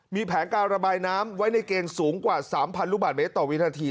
มีแผนการระบายน้ำไว้ในเกณฑ์สูงกว่า๓๐๐ลูกบาทเมตรต่อวินาที